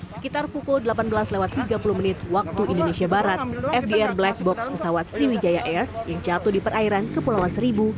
sekitar pukul delapan belas tiga puluh menit waktu indonesia barat fdr black box pesawat sriwijaya air yang jatuh di perairan kepulauan seribu